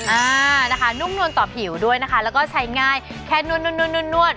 อ่านะคะนุ่มนวลต่อผิวด้วยนะคะแล้วก็ใช้ง่ายแค่นวด